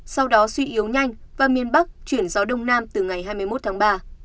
sau đó suy yếu nhanh và miền bắc chuyển gió đông nam từ ngày hai mươi một tháng ba